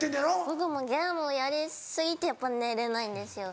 僕もゲームをやり過ぎてやっぱ寝れないんですよ。